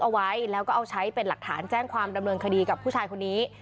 เอาไว้แล้วก็เอาใช้เป็นหลักฐานแจ้งความดำเนินคดีกับผู้ชายคนนี้